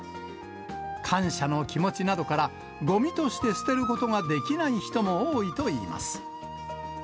感謝の気持ちなどから、ごみとして捨てることができない人も多いといいます。